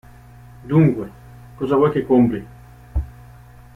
Dunque, cosa vuoi che compri?